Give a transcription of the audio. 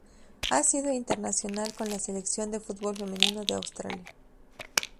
Ha sido internacional con la Selección de fútbol femenino de Australia.